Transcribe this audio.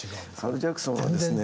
アル・ジャクソンはですね。